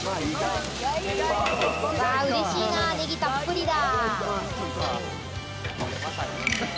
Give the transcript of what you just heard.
嬉しいな、ネギたっぷりだ。